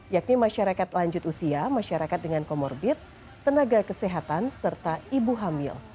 yakni masyarakat lanjut usia masyarakat dengan comorbid tenaga kesehatan serta ibu hamil